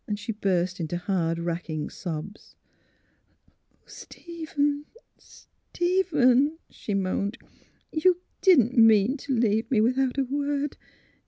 She burst into hard, racking sobs. ^' Oh, Stephen — Stephen! " she moaned. '' You didn't mean to leave me without a word!